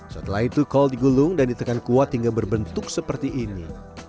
setelah itu kol digulung dan ditekan kuat hingga berbentuk seperti ini